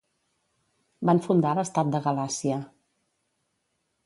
Van fundar l'estat de Galàcia.